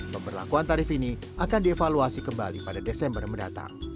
pemberlakuan tarif ini akan dievaluasi kembali pada desember mendatang